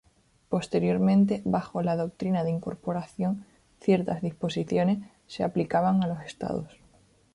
Posteriormente, bajo la "doctrina de incorporación", ciertas disposiciones se aplicaban a los estados.